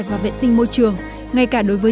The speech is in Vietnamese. và vệ sinh môi trường ngay cả đối với